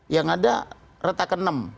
yang ada retak enam